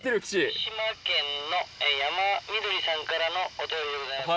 福島県のヤマミドリさんからのお便りでございます。